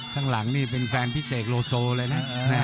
ข้างหลังนี่เป็นแฟนพิเศษโลโซเลยนะ